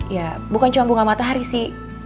ya bukan cuma bunga matahari sih